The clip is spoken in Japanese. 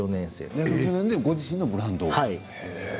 ご自身のブランドを。